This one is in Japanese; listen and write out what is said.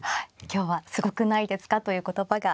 今日は「すごくないですか」という言葉が。